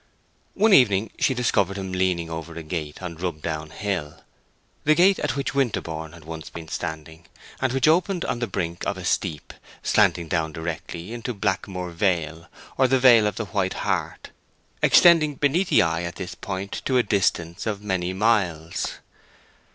One evening she discovered him leaning over a gate on Rub Down Hill, the gate at which Winterborne had once been standing, and which opened on the brink of a steep, slanting down directly into Blackmoor Vale, or the Vale of the White Hart, extending beneath the eye at this point to a distance of many miles.